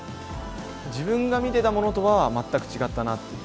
自分が見ていたものとは全く違ったなと。